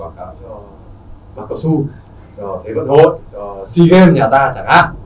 quảng cáo su cho thế vận hội cho sea games nhà ta chẳng hạn